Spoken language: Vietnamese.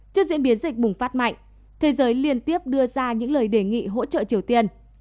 trước diễn biến dịch bùng phát mạnh thế giới liên tiếp đưa ra những lời đề nghị hỗ trợ triều tiên